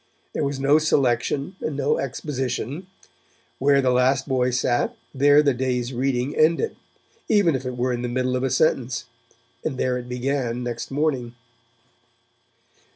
There was no selection and no exposition; where the last boy sat, there the day's reading ended, even if it were in the middle of a sentence, and there it began next morning.